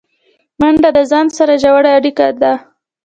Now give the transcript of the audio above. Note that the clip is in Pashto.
منډه د ځان سره ژوره اړیکه ده